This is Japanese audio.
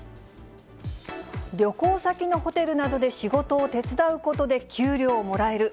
旅行先のホテルなどで仕事を手伝うことで給料をもらえる。